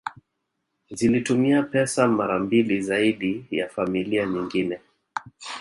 Zilitumia pesa mara mbili zaidi ya familia nyingine